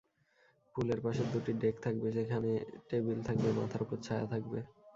পুলের পাশে দুটি ডেক থাকবে, যেখানে টেবিল থাকবে, মাথার ওপর ছায়া থাকবে।